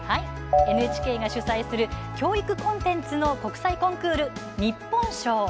ＮＨＫが主催する教育コンテンツの国際コンクール日本賞。